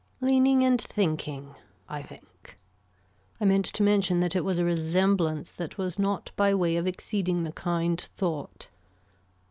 Leaning and thinking. I think. I meant to mention that it was a resemblance that was not by way of exceeding the kind thought.